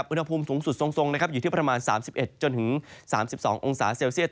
อุณหภูมิสูงสุดทรงส่งอยู่ที่ประมาณ๓๑จนถึง๓๒องศาเซลเซียต